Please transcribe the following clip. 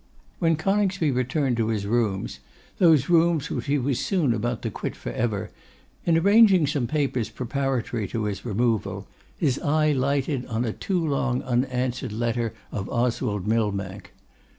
When Coningsby returned to his rooms, those rooms which he was soon about to quit for ever, in arranging some papers preparatory to his removal, his eye lighted on a too long unanswered letter of Oswald Millbank.